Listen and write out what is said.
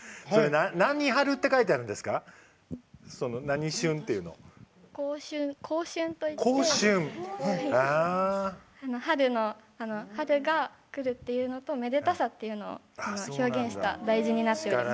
こうしゅんといって春が来るというのとめでたさというのを表現した大事になっています。